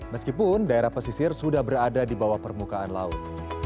meskipun daerah pesisir sudah berada di bawah permukaan laut